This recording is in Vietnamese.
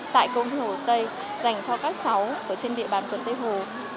tại công viên hồ tây dành cho các cháu ở trên địa bàn quận tây hồ